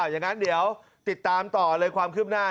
อย่างนั้นเดี๋ยวติดตามต่อเลยความคืบหน้า